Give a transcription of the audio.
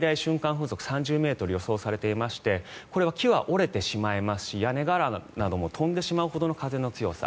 風速３０ｍが予想されていましてこれは木は折れてしまいますし屋根瓦なども飛んでしまうほどの風の強さ。